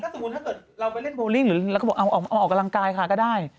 สมมุติถ้าเกิดเราไปเล่นโบลิ่งหรือเราก็บอกเอาออกกำลังกายค่ะก็ได้